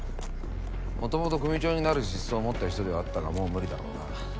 もともと組長になる資質を持った人ではあったがもう無理だろうな。